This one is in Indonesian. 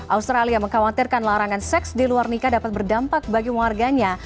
australia mengkhawatirkan larangan seks di luar nikah dapat berdampak bagi warganya